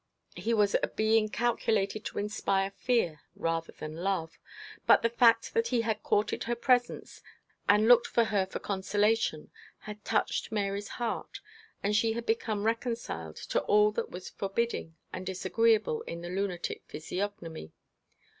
He was a being calculated to inspire fear rather than love; but the fact that he had courted her presence and looked to her for consolation had touched Mary's heart, and she had become reconciled to all that was forbidding and disagreeable in the lunatic physiognomy.